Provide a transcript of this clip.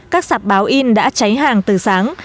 các sạp báo in đã cháy hàng từ sáng